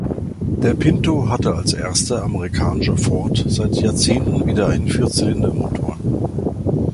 Der Pinto hatte als erster amerikanischer Ford seit Jahrzehnten wieder einen Vierzylindermotor.